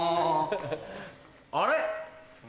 あれ？